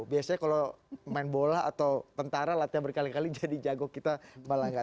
biasanya kalau main bola atau tentara latihan berkali kali jadi jago kita malah gak